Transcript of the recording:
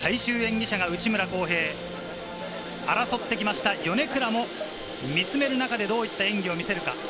最終種目・鉄棒は、最終演技者が内村航平。争ってきました米倉も見つめる中で、どういった演技を見せるか。